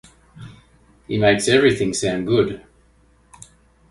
He makes everything sound good.